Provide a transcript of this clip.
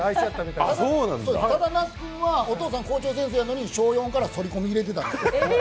ただ、那須君はお父さん校長先生なのに小４からそり込み入れてたんです。